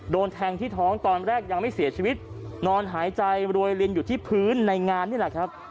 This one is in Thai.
โดนแทงที่ท้องตอนแรกยังไม่เสียชีวิตนอนหายใจรวยลินอยู่ที่พื้นในงานนี่แหละครับ